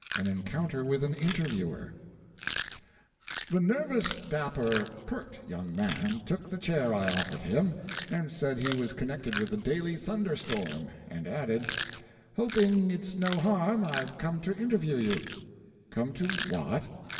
AN ENCOUNTER WITH AN INTERVIEWER The nervous, dapper, "peart" young man took the chair I offered him, and said he was connected with the Daily Thunderstorm, and added: "Hoping it's no harm, I've come to interview you." "Come to what?"